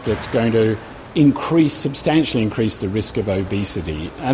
yang akan meningkatkan risiko obesitas